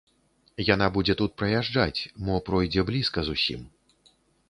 Яна будзе тут праязджаць, мо пройдзе блізка зусім.